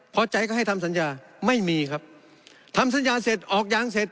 พอใจก็ให้ทำสัญญาไม่มีครับทำสัญญาเสร็จออกยางเสร็จ